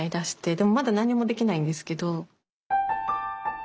でもまだ何にもできないんですけど。